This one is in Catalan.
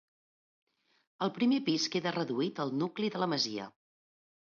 El primer pis queda reduït al nucli de la masia.